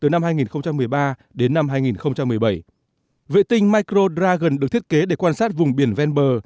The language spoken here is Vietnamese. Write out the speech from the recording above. năm hai nghìn một mươi ba đến năm hai nghìn một mươi bảy vệ tinh macro dragon được thiết kế để quan sát vùng biển venber